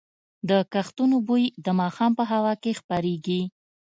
د کښتونو بوی د ماښام په هوا کې خپرېږي.